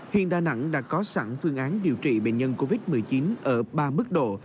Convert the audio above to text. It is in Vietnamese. hiện đà nẵng đã có sẵn phương án điều trị bệnh nhân covid một mươi chín ở ba mức độ